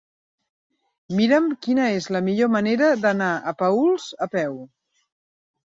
Mira'm quina és la millor manera d'anar a Paüls a peu.